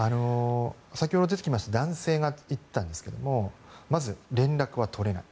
先ほども出てきた男性が言ったんですがまず連絡は取れない。